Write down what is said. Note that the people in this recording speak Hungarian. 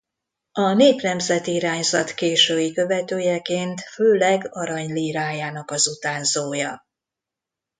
A nép-nemzeti irányzat késői követőjeként főleg Arany lírájának az utánzója.